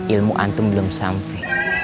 ilmu antum belum sampe